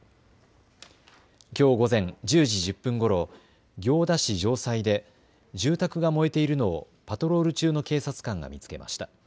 きょう午前１０時１０分ごろ行田市城西で住宅が燃えているのをパトロール中の警察官が見つけました。